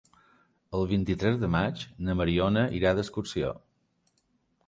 El vint-i-tres de maig na Mariona irà d'excursió.